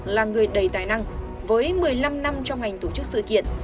là người đầy tài năng với một mươi năm năm trong ngành tổ chức sự kiện